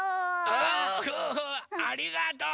おありがとう！